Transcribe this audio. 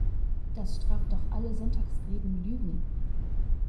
Das straft doch alle Sonntagsreden Lügen!